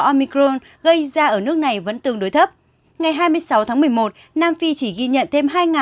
omicron gây ra ở nước này vẫn tương đối thấp ngày hai mươi sáu tháng một mươi một nam phi chỉ ghi nhận thêm